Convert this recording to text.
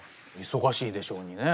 忙しいでしょうにね。